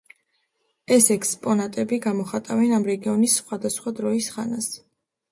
ეს ექსპონატები გამოხატავენ ამ რეგიონის სხვადასხვა დროის ხანას.